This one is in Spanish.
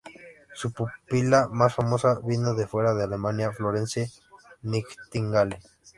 Su pupila más famosa vino de fuera de Alemania: Florence Nightingale.